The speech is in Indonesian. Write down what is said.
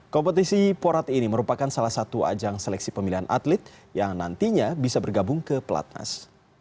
kompetisi porat ini merupakan salah satu ajang seleksi pemilihan atlet yang nantinya bisa bergabung ke pelatnas